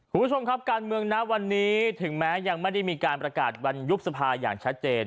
คุณผู้ชมครับการเมืองนะวันนี้ถึงแม้ยังไม่ได้มีการประกาศวันยุบสภาอย่างชัดเจน